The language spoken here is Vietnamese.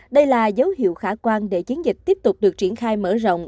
đây là dấu hiệu khả quan để chiến dịch tiếp tục được triển khai mở rộng